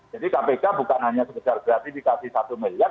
jadi kpk bukan hanya sebesar gratifikasi satu miliar